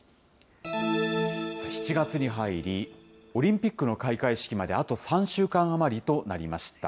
７月に入り、オリンピックの開会式まで、あと３週間余りとなりました。